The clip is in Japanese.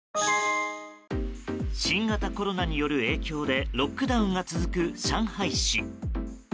新型コロナによる影響でロックダウンが続く上海市。